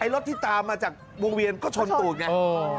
รถที่ตามมาจากวงเวียนก็ชนตูดไง